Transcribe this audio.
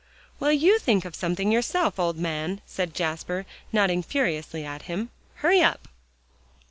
"Well, you think of something yourself, old man," said Jasper, nodding furiously at him. "Hurry up."